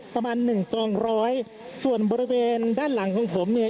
ประมาณหนึ่งกองร้อยส่วนบริเวณด้านหลังของผมเนี่ย